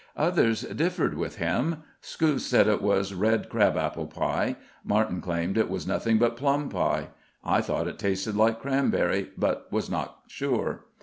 Others differed with him. Scouse said it was red crabapple pie. Martin claimed it was nothing but plum pie. I thought it tasted like cranberry, but was not sure.